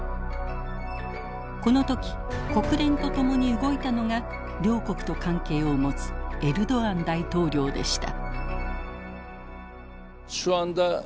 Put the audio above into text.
この時国連と共に動いたのが両国と関係を持つエルドアン大統領でした。